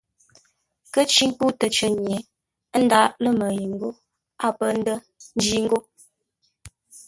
Kə̂ ncí nkə́u təcər nye, ə́ ndáʼ lə́ mə́ yé ńgó a pə́ ndə́rńjí ńgó.